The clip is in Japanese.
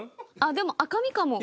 でも赤身かも。